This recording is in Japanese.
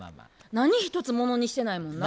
何一つものにしてないもんな。